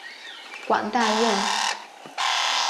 广大院。